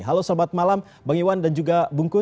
halo selamat malam bang iwan dan juga bungkus